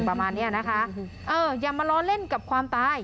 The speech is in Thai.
ประมาณเนี้ยนะคะเอออย่ามาล้อเล่นกับความตาย